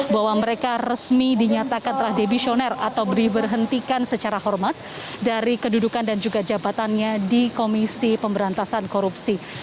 bahwa mereka resmi dinyatakan telah debisioner atau diberhentikan secara hormat dari kedudukan dan juga jabatannya di komisi pemberantasan korupsi